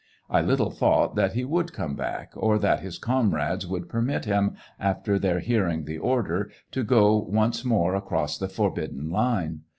I little thought that he would come back, or that his comrades would permit him, after their hearing the order, to go once more across the forbidden line.